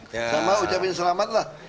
sama ucapin selamat lah